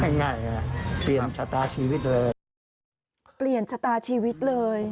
ง่ายเปลี่ยนชะตาชีวิตเลย